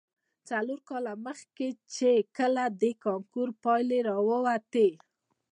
څلور کاله مخې، چې کله د کانکور پايلې راوتې.